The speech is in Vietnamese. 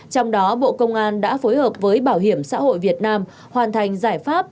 trong đó bộ công an đã phối hợp với bảo hiểm xã hội việt nam hoàn thành giải pháp